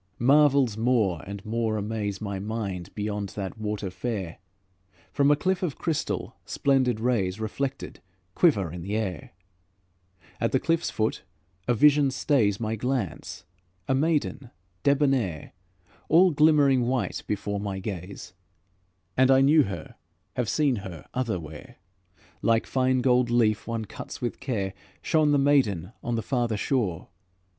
Marvels more and more amaze My mind beyond that water fair: From a cliff of crystal, splendid rays, Reflected, quiver in the air. At the cliff's foot a vision stays My glance, a maiden debonaire, All glimmering white before my gaze; And I know her, have seen her otherwhere. Like fine gold leaf one cuts with care, Shone the maiden on the farther shore.